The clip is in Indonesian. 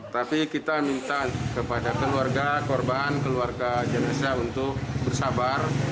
tapi kita minta kepada keluarga korban keluarga jenazah untuk bersabar